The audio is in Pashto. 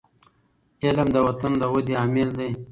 علم د وطن د ودي عامل دی.